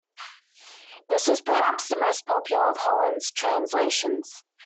This was perhaps the most popular of Holland's translations.